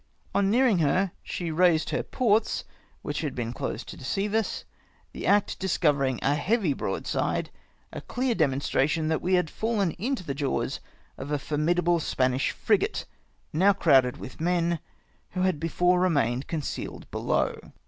On nearing her she raised her ports, which had been closed to deceive us, the act discovering a heavy broadside, a clear demonstration that we had fallen into the jaws of a formidable Spanish frigate, now crowded with men, who had before remained concealed below.